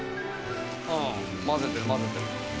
混ぜてる混ぜてる。